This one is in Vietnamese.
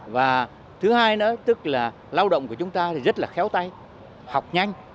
và thứ hai nữa tức là lao động của chúng ta thì rất là khéo tay học nhanh